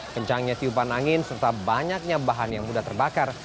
kencangnya tiupan angin serta banyaknya bahan yang mudah terbakar